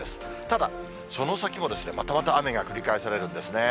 ただ、その先もまたまた雨が繰り返されるんですね。